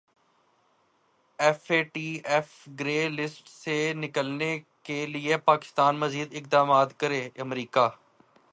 F A T F grey list سے نکلنے کیلئے پاکستان مزید اقدامات کرے امریکا